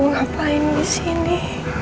kamu ngapain di sini